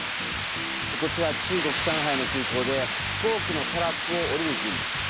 こちら中国・上海の空港で飛行機のタラップを降りる人物。